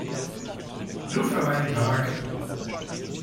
Nur für einen Tag.